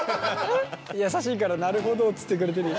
優しいからなるほどっつってくれてる。